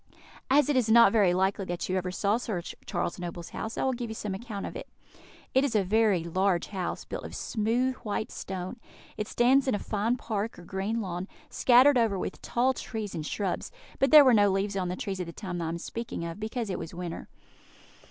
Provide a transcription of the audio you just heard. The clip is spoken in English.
As it is not likely that you ever saw Sir Charles Noble's house, I will give you some account of it. It is a very large house, built of smooth white stone; it stands in a fine park, or green lawn, scattered over with tall trees and shrubs; but there were no leaves on the trees at the time I am speaking of, because it was winter.